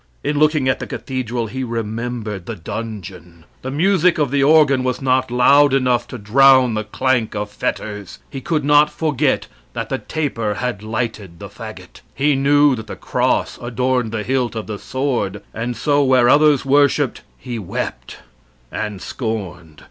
In looking at the cathedral he remembered the dungeon. The music of the organ was not loud enough to drown the clank of fetters. He could not forget that the taper had lighted the fagot. He knew that the cross adorned the hilt of the sword, and so where others worshiped, he wept and scorned.